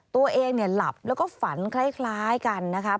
ตัวเองหลับแล้วก็ฝันคล้ายกันนะครับ